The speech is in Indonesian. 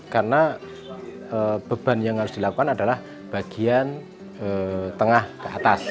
karena beban yang harus dilakukan adalah bagian tengah ke atas